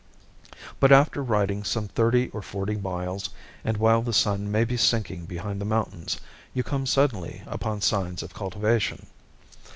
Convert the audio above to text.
But after riding some thirty or forty miles, and while the sun may be sinking behind the mountains, you come suddenly upon signs of cultivation.